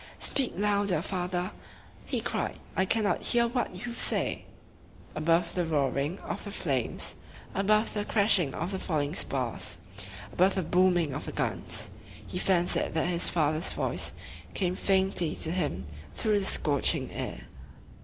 "Speak louder, father!" he cried. "I cannot hear what you say." Above the roaring of the flames, above the crashing of the falling spars, above the booming of the guns, he fancied that his father's voice came faintly to him through the scorching air.